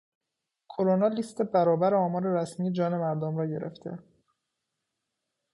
کرونا لیست برابر آمار رسمی جان مردم را گرفته